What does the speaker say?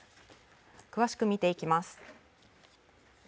詳しく見ていきます。